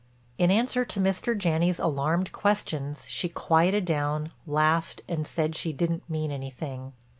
In answer to Mr. Janney's alarmed questions she quieted down, laughed, and said she didn't mean anything.